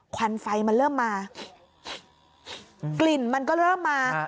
ควันไฟมันเริ่มมากลิ่นมันก็เริ่มมา